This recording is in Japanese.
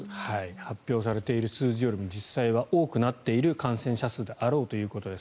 発表されている数字よりも実際は多くなっている感染者数であろうということです。